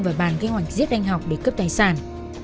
và bàn kế hoạch giết anh học để cướp tài sản